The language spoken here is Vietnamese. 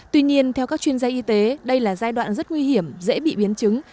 tuy nhiên theo các chuyên gia y tế đây là giai đoạn rất nguy hiểm dễ bị biến chứng